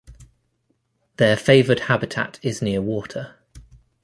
Their favoured habitat is near water.